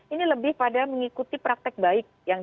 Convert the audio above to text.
ini lebih pada mengikuti praktek baik